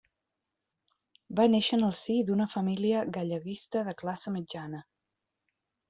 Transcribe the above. Va néixer en el si d'una família galleguista de classe mitjana.